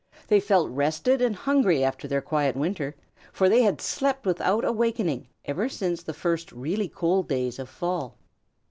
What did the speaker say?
They felt rested and hungry after their quiet winter, for they had slept without awakening ever since the first really cold days of fall.